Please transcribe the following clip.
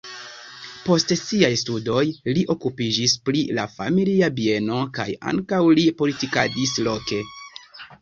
Post siaj studoj li okupiĝis pri la familia bieno kaj ankaŭ li politikadis loke.